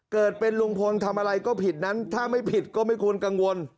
เกิดเป็นลุงพลทำอะไรก็ผิดนั้นถ้าไม่ผิดก็ไม่ควรกังวล